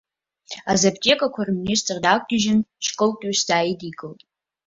Азаптиеқәа рминистр даақәгьежьын, шькылкҩыс дааидикылеит.